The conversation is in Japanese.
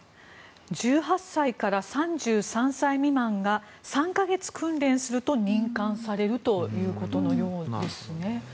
１８歳から３３歳未満が３か月訓練すると任官されるということですね。